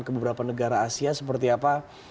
ke beberapa negara asia seperti apa